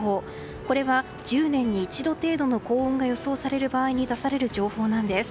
これは１０年に一度程度の高温が予想される場合に出される情報なんです。